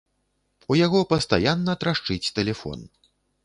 У яго пастаянна трашчыць тэлефон.